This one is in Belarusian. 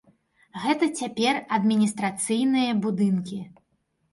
Гэта цяпер адміністрацыйныя будынкі.